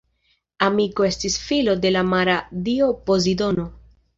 Amiko estis filo de la mara dio Pozidono.